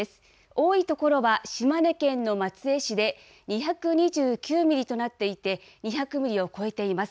多い所は、島根県の松江市で２２９ミリとなっていて、２００ミリを超えています。